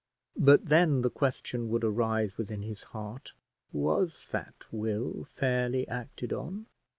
But then the question would arise within his heart, Was that will fairly acted on?